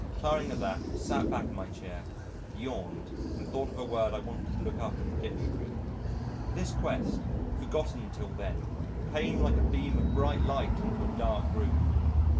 Tiring of that, sat back in my chair, yawned, and thought of a word I wanted to look up in the Dictionary. This quest, forgotten until then, came like a beam of bright light into a dark room.